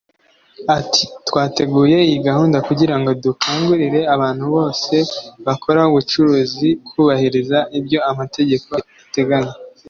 Ati “Twateguye iyi gahunda kugira ngo dukangurire abantu bose bakora ubucuruzi kubahiriza ibyo amategeko ateganya